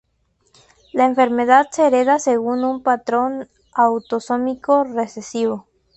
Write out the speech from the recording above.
La enfermedad se hereda según un patrón autosómico recesivo.